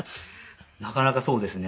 なかなかそうですね。